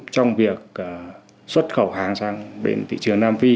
trong việc xuất khẩu hàng sang bên thị trường nam phi